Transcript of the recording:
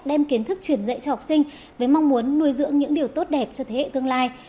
đem kiến thức truyền dạy cho học sinh với mong muốn nuôi dưỡng những điều tốt đẹp cho thế hệ tương lai